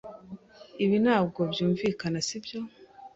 Ibi ntabwo byumvikana, sibyo?